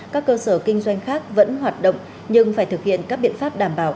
các cơ sở kinh doanh khác vẫn hoạt động nhưng phải thực hiện các biện pháp đảm bảo